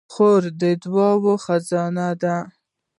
خور د دعاوو خزانه ده.